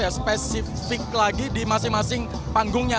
ini juga spesifik lagi di masing masing panggungnya